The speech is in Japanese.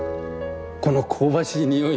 この香ばしい匂い。